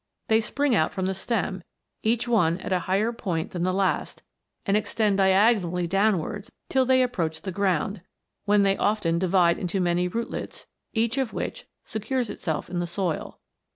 They spring out from the stem, each one at a higher point than the last, and extend diagonally downwards till they ap proach the ground, when they often divide into many rootlets, each of which secures itself in the soil.